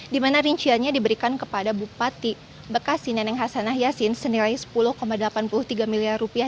dimana rinciannya diberikan kepada bupati bekasi neneng hasanah yassin senilai sepuluh delapan puluh tiga miliar rupiah